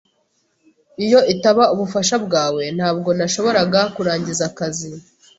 Iyo itaba ubufasha bwawe, ntabwo nashoboraga kurangiza akazi.